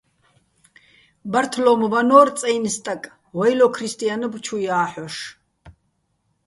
ბართლო́მ ვანორ წაჲნი̆ სტაკ, ვაჲლო ქრისტიანობ ჩუ ჲა́ჰ̦ოშ.